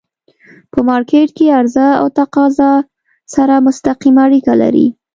په مارکيټ کی عرضه او تقاضا سره مستقیمه اړیکه لري.